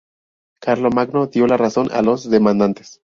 Carlomagno dio la razón a los demandantes.